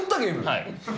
はい。